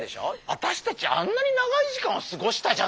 あたしたちあんなに長い時間を過ごしたじゃない。